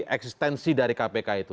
eksistensi dari kpk itu